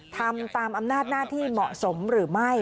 ทำตามอำนาจหน้าที่เหมาะสมหรือไม่